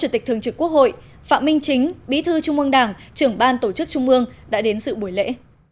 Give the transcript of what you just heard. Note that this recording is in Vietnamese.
tịch thường trực quốc hội phạm minh chính bí thư trung mương đảng trưởng ban tổ chức trung mương đã đến sự buổi lễ